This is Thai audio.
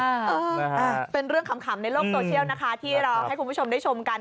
อ่าเป็นเรื่องขำในโลกโซเชียลนะคะที่เราให้คุณผู้ชมได้ชมกัน